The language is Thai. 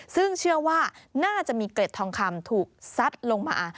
ซึ่งเชื่อว่าน่าจะมีเกร็ดทองคำถูกซัดลงมา